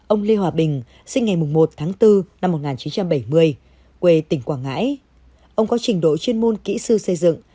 ông lê hòa bình sinh ngày một tháng bốn năm một nghìn chín trăm bảy mươi quê tỉnh quảng ngãi ông có trình độ chuyên môn kỹ sư xây dựng